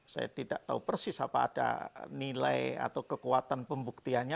saya tidak tahu persis apa ada nilai atau kekuatan pembuktiannya